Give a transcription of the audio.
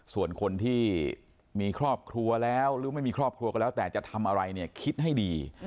ส่วนคนที่มีครอบครัวแล้วหรือไม่มีครอบครัวก็แล้วแต่จะทำอะไรเนี่ยคิดให้ดี